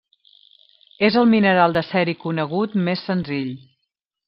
És el mineral de ceri conegut més senzill.